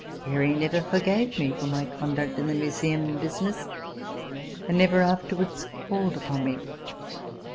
Gary never forgave me for my conduct in the Museum business ; and never afterwards called upon me.